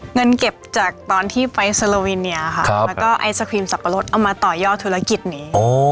เงินเก็บจากตอนที่ไฟล์โซโลวิเนียค่ะแล้วก็ไอศครีมสับปะรดเอามาต่อยอดธุรกิจนี้